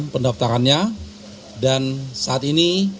pendaftarannya dan saat ini